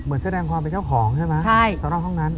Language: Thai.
อื้ออย่างแสดงความเป็นเกี่ยวของใช่มั้ยรอบห้องนั้น